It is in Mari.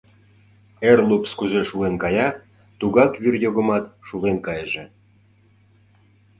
Эр лупс кузе шулен кая, тугак вӱр йогымат шулен кайыже.